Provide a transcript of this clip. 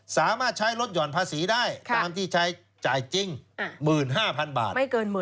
สามารถใช้ลดหย่อนภาษีได้ตามที่ใช้จ่ายจริง๑๕๐๐๐บาท